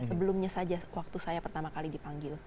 sebelumnya saja waktu saya pertama kali dipanggil